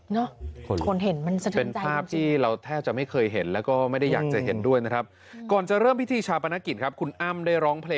คนเห็นมันแสดงเป็นภาพที่เราแทบจะไม่เคยเห็นแล้วก็ไม่ได้อยากจะเห็นด้วยนะครับก่อนจะเริ่มพิธีชาปนกิจครับคุณอ้ำได้ร้องเพลง